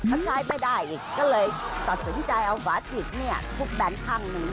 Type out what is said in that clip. เขาใช้ไม่ได้นี่ก็เลยตัดสินใจเอาฝาถิดเนี่ยทุบแบนข้างหนึ่ง